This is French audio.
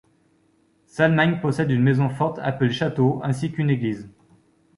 Salmagne possède une maison forte appelée château ainsi qu'une église.